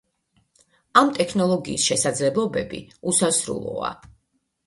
ამ ტექნოლოგიის შესაძლებლობები უსასრულოა.